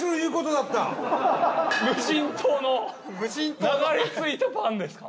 無人島の流れ着いたパンですか？